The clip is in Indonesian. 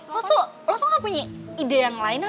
lo tuh lo tuh enggak punya ide yang lain apa